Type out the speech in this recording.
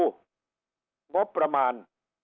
งบประมาณ